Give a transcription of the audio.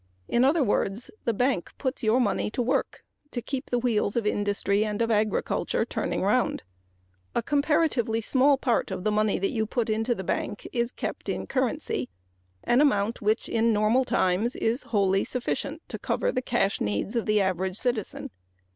In other words, the bank puts your money to work to keep the wheels of industry and of agriculture turning around. A comparatively small part of the money you put into the bank is kept in currency an amount which in normal times is wholly sufficient to cover the cash needs of the average citizen.